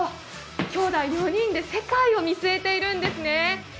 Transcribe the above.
兄弟４人で世界を見据えているんですね。